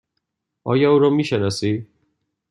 آیا او را می شناسی؟